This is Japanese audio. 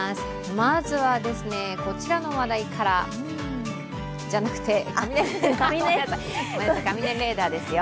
まずは、こちらの話題からじゃなくて、雷レーダーですよ。